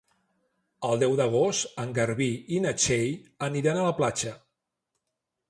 El deu d'agost en Garbí i na Txell aniran a la platja.